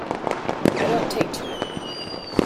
I don't take to it.